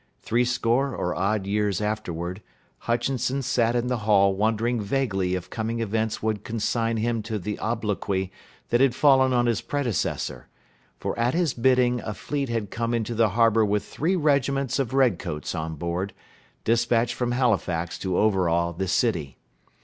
Threescore or odd years afterward, Hutchinson sat in the hall wondering vaguely if coming events would consign him to the obloquy that had fallen on his predecessor, for at his bidding a fleet had come into the harbor with three regiments of red coats on board, despatched from Halifax to overawe the city.